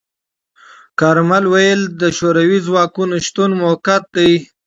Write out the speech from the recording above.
کارمل ویلي، د شوروي ځواکونو شتون موقت دی.